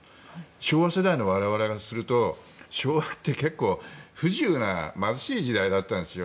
昭和世代の我々からすると昭和って結構、不自由な貧しい時代だったんですよ。